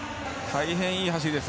大変いい走りです。